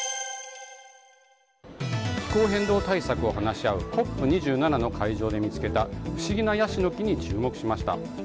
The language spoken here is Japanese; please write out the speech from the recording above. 気候変動対策を話し合うＣＯＰ２７の会場で見つけた不思議なヤシの木に注目しました。